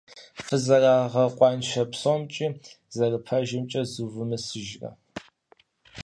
Фызэрагъэкъуаншэ псомкӏи зэрыпэжымкӏэ зывумысыжрэ?